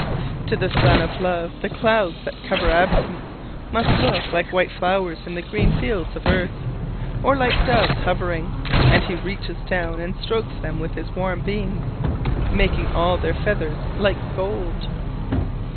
To the sun of love the clouds that cover absence must look like white flowers in the green fields of earth, or like doves hovering: and he reaches down and strokes them with his warm beams, making all their feathers like gold.